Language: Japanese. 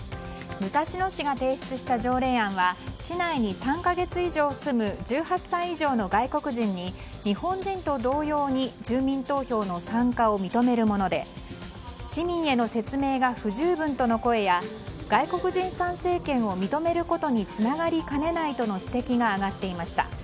武蔵野市が提出した条例案は市内に３か月以上住む１８歳以上の外国人に日本人と同様に住民投票の参加を認めるもので市民への説明が不十分との声や外国人参政権を認めることにつながりかねないとの指摘が上がっていました。